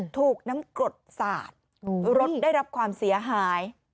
ถูกน้ำกรดสาดรถได้รับความเสียหาย